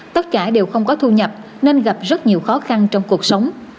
tất cả đều không có thu nhập nên gặp rất nhiều khó khăn trong cuộc sống